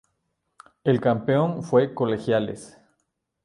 El campeón fue Colegiales.